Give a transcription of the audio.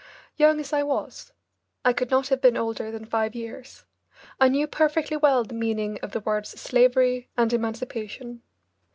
Young as I was I could not have been older than five years I knew perfectly well the meaning of the words slavery and emancipation.